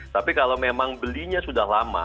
tapi kalau memang belinya sudah lama